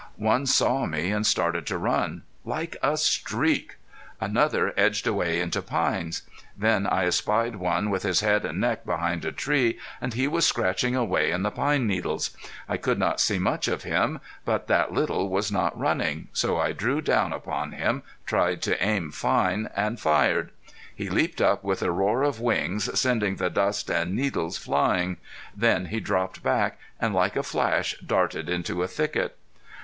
One saw me and started to run. Like a streak! Another edged away into pines. Then I espied one with his head and neck behind a tree and he was scratching away in the pine needles. I could not see much of him, but that little was not running, so I drew down upon him, tried to aim fine, and fired. He leaped up with a roar of wings, sending the dust and needles flying. Then he dropped back, and like a flash darted into a thicket.